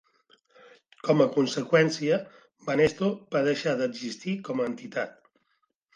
Com a conseqüència, Banesto va deixar d'existir com a entitat.